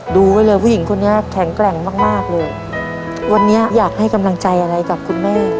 ดูไว้เลยผู้หญิงคนนี้แข็งแกร่งมากมากเลยวันนี้อยากให้กำลังใจอะไรกับคุณแม่